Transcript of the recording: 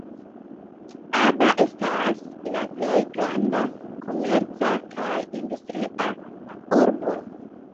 Aba estas la plej granda komerca kaj industria urbo.